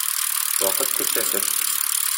Вакыт күрсәтер.